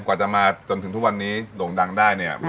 กว่าจะมาจนถึงทุกวันนี้โด่งดังได้เนี่ย